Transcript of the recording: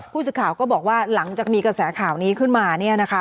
ผู้สื่อข่าวก็บอกว่าหลังจากมีกระแสข่าวนี้ขึ้นมาเนี่ยนะคะ